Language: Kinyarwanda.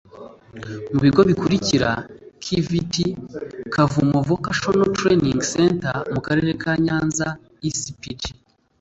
mu bigo bikurikira kvt kavumu vocational training center mu karere ka nyanza ispg